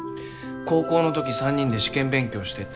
高校のとき３人で試験勉強してて。